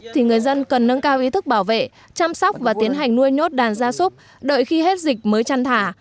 thì người dân cần nâng cao ý thức bảo vệ chăm sóc và tiến hành nuôi nhốt đàn gia súc đợi khi hết dịch mới chăn thả